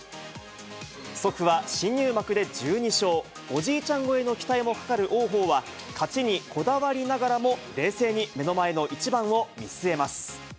祖父は新入幕で１２勝、おじいちゃん超えの期待もかかる王鵬は、勝ちにこだわりながらも冷静に目の前の一番を見据えます。